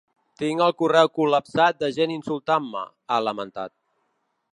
Tinc el correu col·lapsat de gent insultant-me, ha lamentat.